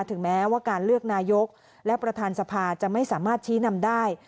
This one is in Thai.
ถึงแม้ว่าการเลือกนายกและประธานสภาจะไม่สามารถชี้นำได้